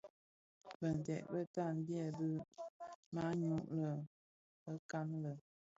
Binted bitan byèbi manyu anë bekan lè.